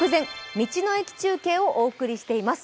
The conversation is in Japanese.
道の駅中継」をお送りしています。